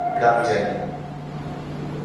সেটা আমি জানি না।